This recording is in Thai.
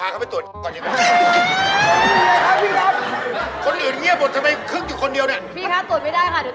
ก้าวประมาณอะไร